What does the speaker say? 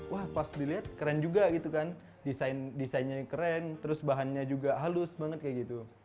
wah pas dilihat keren juga gitu kan desain desainnya keren terus bahannya juga halus banget kayak gitu